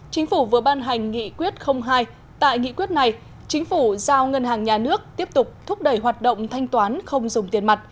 chính phủ vừa ban hành nghị quyết hai tại nghị quyết này chính phủ giao ngân hàng nhà nước tiếp tục thúc đẩy hoạt động thanh toán không dùng tiền mặt